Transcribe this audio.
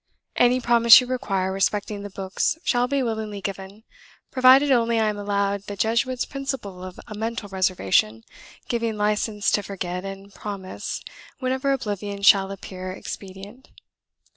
"Any promise you require respecting the books shall be willingly given, provided only I am allowed the Jesuit's principle of a mental reservation, giving licence to forget and promise whenever oblivion shall appear expedient.